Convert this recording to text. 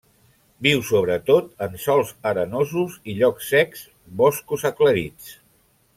Viu sobretot en sòls arenosos i llocs secs, boscos aclarits.